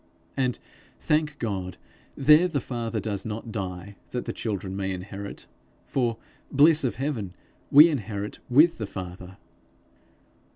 And, thank God! there the father does not die that the children may inherit; for, bliss of heaven! we inherit with the Father.